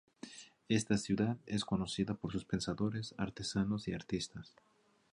Esta ciudad es conocida por sus pensadores, artesanos y artistas.